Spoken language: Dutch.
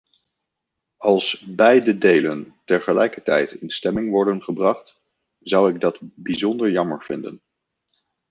Als beide delen tegelijkertijd in stemming worden gebracht, zou ik dat bijzonder jammer vinden.